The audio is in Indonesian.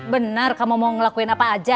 benar kamu mau ngelakuin apa aja